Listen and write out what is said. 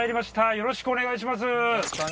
よろしくお願いします。